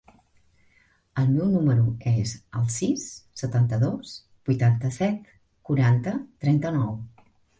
El meu número es el sis, setanta-dos, vuitanta-set, quaranta, trenta-nou.